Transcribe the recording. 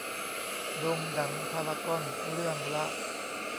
โรงหนังพารากอน เรื่องละ